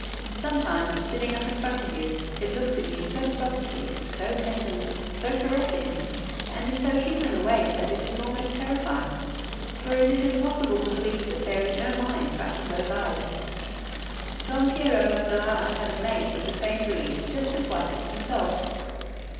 Sometimes, sitting up in front of you, it looks at you so softly, so tenderly, so caressingly, and in so human a way that it is almost terrifying, for it is impossible to believe that there is no mind back of those eyes. Don Pierrot of Navarre had a mate of the same breed just as white as himself.